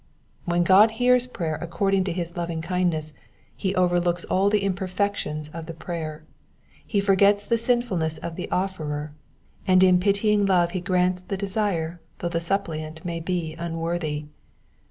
*' When God hears prayer according to his lovm^kindness he overlooks all the imperfections of the prayer, he forgets the smfulness of the offerer, and in pitying love he grants the desire though the suppliant be unworthy.